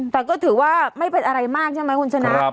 แต่ก็ถือว่าไม่เป็นอะไรมากใช่ไหมคุณชนะ